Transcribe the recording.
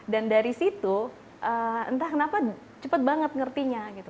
dan dari situ entah kenapa cepet banget ngertinya gitu